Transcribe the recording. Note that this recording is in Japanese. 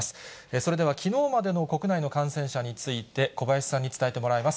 それではきのうまでの国内の感染者について、小林さんに伝えてもらいます。